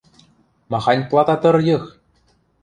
– Махань плататыр йых?